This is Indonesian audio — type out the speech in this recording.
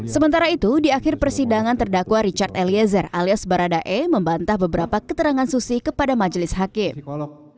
sementara itu di akhir persidangan terdakwa richard eliezer alias baradae membantah beberapa keterangan susi kepada majelis hakim